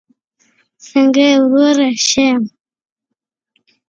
څنګه یې وروره؟ ښه یمه